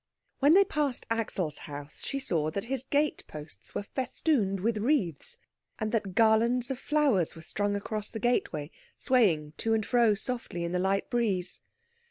When they passed Axel's house she saw that his gate posts were festooned with wreaths, and that garlands of flowers were strung across the gateway, swaying to and fro softly in the light breeze.